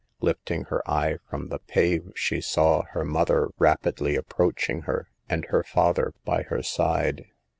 Lifting her eye from the pave she saw her mother rapidly approaching her, and her father by her side.